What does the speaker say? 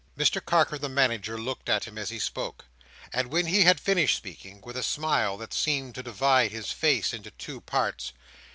Mr Carker the Manager looked at him, as he spoke, and when he had finished speaking, with a smile that seemed to divide his face into two parts.